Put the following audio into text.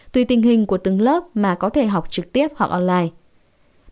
tùy tình hình của từng lớp mà có thể học trực tiếp hoặc online